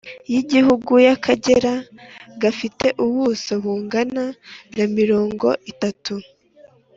y Igihugu y Akagera gafite ubuso bungana na mirongo itatu